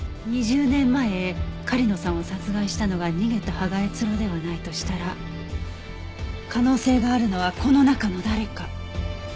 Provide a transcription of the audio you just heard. ２０年前狩野さんを殺害したのが逃げた芳賀悦郎ではないとしたら可能性があるのはこの中の誰か。